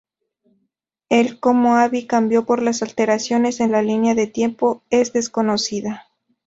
El cómo Abby cambió por las alteraciones en la línea de tiempo es desconocido.